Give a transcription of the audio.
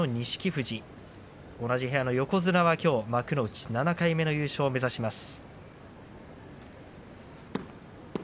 富士同じ部屋の横綱照ノ富士は７回目の優勝を目指します。